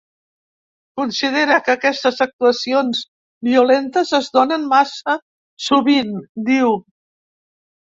Considera que aquestes actuacions violentes es donen massa sovint, diu.